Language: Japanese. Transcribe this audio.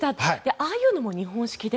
ああいうのも日本式で。